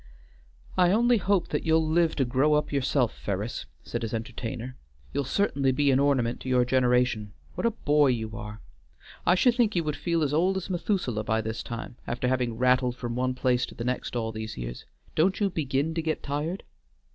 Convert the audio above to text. '" "I only hope that you'll live to grow up yourself, Ferris," said his entertainer, "you'll certainly be an ornament to your generation. What a boy you are! I should think you would feel as old as Methuselah by this time, after having rattled from one place to the next all these years. Don't you begin to get tired?"